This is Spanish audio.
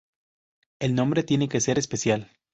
El nombre tiene que ser especial.